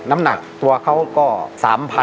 น้ำหนักตัวเขาก็๓๐๐๐